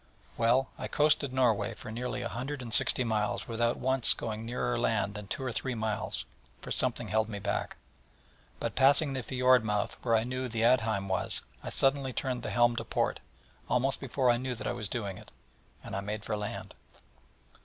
Well, I coasted Norway for nearly a hundred and sixty miles without once going nearer land than two or three miles: for something held me back. But passing the fjord mouth where I knew that Aadheim was, I suddenly turned the helm to port, almost before I knew that I was doing it, and made for land.